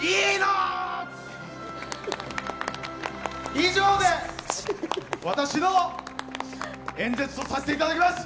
以上で私の演説とさせていただきます。